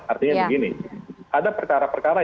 artinya begini ada perkara perkara